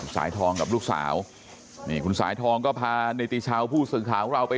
สายทองกับลูกสาวคุณสายทองก็พาในตีเช้าผู้สื่อข่าวเราไป